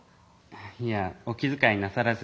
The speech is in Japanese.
「いやお気づかいなさらず。